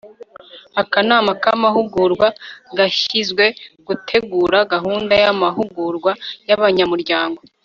akanama k'amahugurwa gashyinzwe gutegura gahunda y'amahugurwa y'abanyamuryango